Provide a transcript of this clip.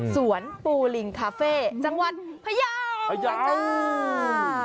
สวนปูลิงคาเฟ่จังหวัดพยาบุญจ้า